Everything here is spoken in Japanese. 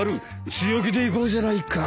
強気でいこうじゃないかぁ。